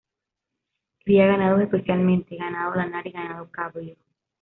Cría ganados, especialmente ganado lanar y ganado cabrio.